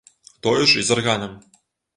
Тое ж і з арганам.